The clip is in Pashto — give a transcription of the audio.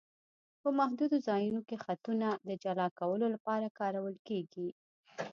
په محدودو ځایونو کې خطونه د جلا کولو لپاره کارول کیږي